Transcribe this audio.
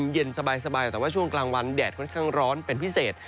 เย็นสบายแต่ว่าช่วงกลางวันแดดค่อนข้างร้อนเป็นพิเศษ